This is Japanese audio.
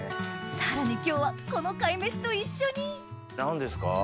さらに今日はこの貝飯と一緒に何ですか？